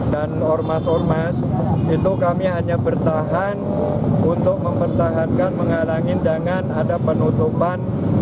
dan ormas ormas itu kami hanya bertahan untuk mempertahankan menghalangi jangan ada penutupan